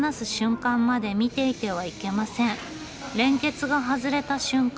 連結が外れた瞬間